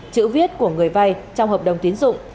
chữ viết của người vay trong hợp đồng tiến dụng